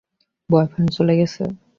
Boyfriend চলে গেছে?